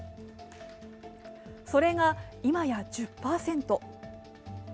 それが今や１０％。